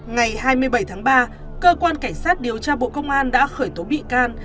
ngày hai mươi bảy tháng ba cơ quan cảnh sát điều tra bộ công an đã khởi tố bị can